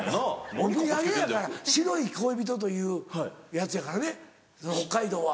お土産やから白い恋人というやつやからね北海道は。